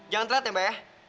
jangan terlalu tembak ya